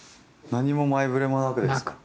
何も前触れもなくですか？